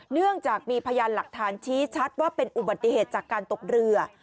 เนื่องจากมีพยานหลักฐานชี้ชัดว่าเป็นอุบัติเหตุจากการตกเรือ